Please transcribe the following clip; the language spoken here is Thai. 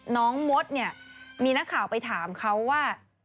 มดเนี่ยมีนักข่าวไปถามเขาว่า